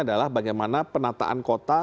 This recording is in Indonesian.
adalah bagaimana penataan kota